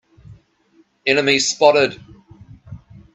Enemy spotted!